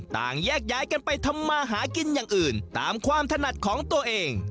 ต่างแยกย้ายกันไปทำมาหากินอย่างอื่นตามความถนัดของตัวเอง